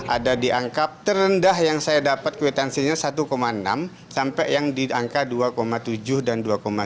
ada diangkap terendah yang saya dapat kuitansinya satu enam sampai yang diangka dua tujuh dan dua sembilan